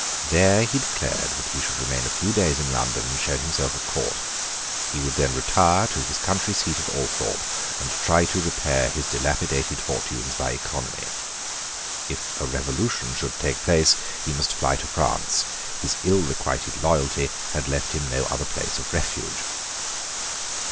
There he declared that he should remain a few days in London, and show himself at court. He would then retire to his country seat at Althorpe, and try to repair his dilapidated fortunes by economy. If a revolution should take place he must fly to France. His ill requited loyalty had left him no other place of refuge.